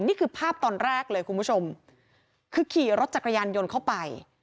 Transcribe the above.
นี่คือภาพตอนแรกเลยคุณผู้ชมคือขี่รถจักรยานยนต์เข้าไป